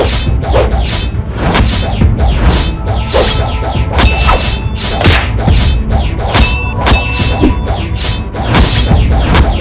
sulung memberitah kita hacia ak campaigning